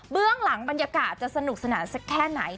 หลังบรรยากาศจะสนุกสนานสักแค่ไหน